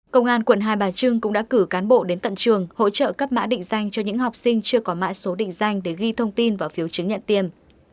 công an quận hai bà trưng cũng đã cử cán bộ đến tận trường hỗ trợ cấp mã định danh cho những học sinh chưa có mã số định danh để ghi thông tin và phiếu chứng nhận tiền